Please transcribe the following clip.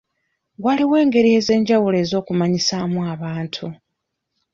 Waliwo engeri ez'enjawulo ez'okumanyisaamu abantu.